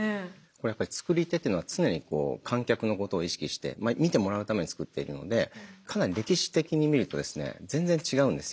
これやっぱり作り手っていうのは常に観客のことを意識して見てもらうために作っているのでかなり歴史的に見るとですね全然違うんですよ。